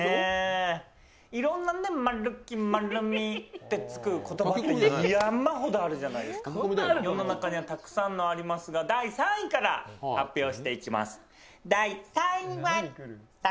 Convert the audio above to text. いろんな○き○みってつく言葉山ほどあるじゃないですか、世の中にたくさんありますが第３位から発表していきます。